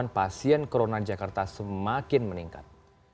dan kematian corona jakarta semakin meningkat